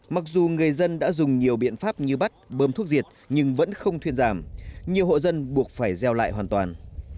mặc dù người dân đã dùng nhiều biện pháp như bắt bơm thuốc diệt nhưng vẫn không thuyên giảm nhiều hộ dân buộc phải gieo lại hoàn toàn